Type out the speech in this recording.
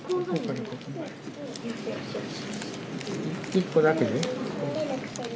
１個だけね。